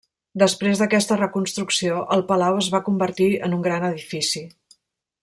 Després d'aquesta reconstrucció, el palau es va convertir en un gran edifici.